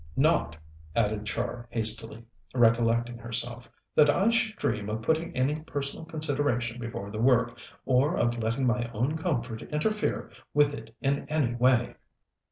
Not," added Char hastily, recollecting herself, "that I should dream of putting any personal consideration before the work, or of letting my own comfort interfere with it in any way."